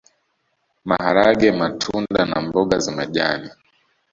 Maharage matunda na mboga za majani